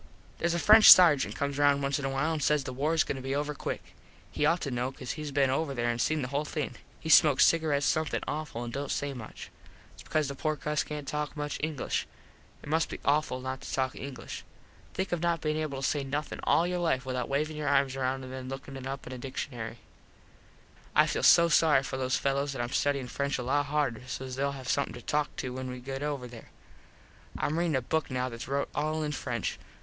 Theres a French sargent comes round once in a while an says the war is goin to be over quick. He ought to know cause hes been over there an seen the whole thing. He smokes cigarets something awful an dont say much. Thats because the poor cus cant talk much English. It must be awful not to talk English. Think of not bein able to say nothin all your life without wavin your arms round an then lookin it up in a dickshunary. [Illustration: "HE SMOKES CIGARETS SOMETHING AWFUL"] I feel so sorry for these fellos that Im studiin French a lot harder sos theyll have someone to talk to when we get over there. Im readin a book now thats rote all in French.